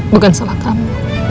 bukan salah kamu